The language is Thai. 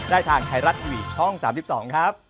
ทางไทยรัฐทีวีช่อง๓๒ครับ